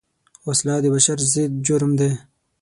وسله د بشر ضد جرم ده